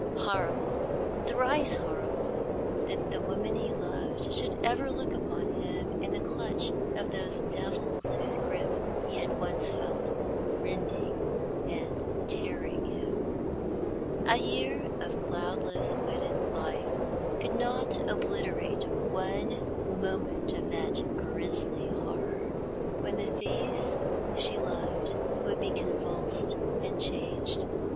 Horrible, thrice horrible, that the girl he loved should ever look upon him in the clutch of those devils whose grip he had once felt, rending and tearing him. A year of cloudless wedded life could not obliterate one moment of that grisly horror, when the face she loved would be convulsed and changed, In the Pine Wood.